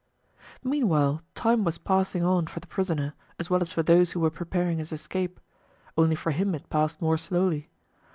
Meanwhile time was passing on for the prisoner, as well as for those who were preparing his escape; only for him it passed more slowly.